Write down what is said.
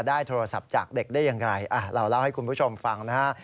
ได้โทรศัพท์จากเด็กได้อย่างไรเราเล่าให้คุณผู้ชมฟังนะฮะ